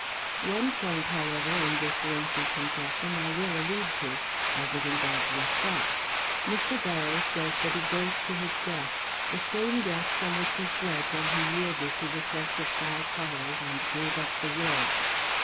One point, however, in this lengthy confession I will allude to, as it involves a fact. Mr. Barrows says that he goes to his death, the same death from which he fled when he yielded to the threats of Guy Pollard and gave up the will.